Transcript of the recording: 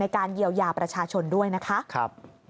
การเยียวยาประชาชนด้วยนะคะ